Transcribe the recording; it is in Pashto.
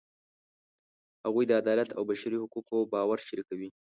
هغوی د عدالت او بشري حقونو باور شریکوي.